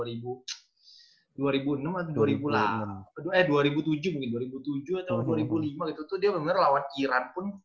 aduh eh dua ribu tujuh mungkin dua ribu tujuh atau dua ribu lima itu tuh dia bener bener lawan iran pun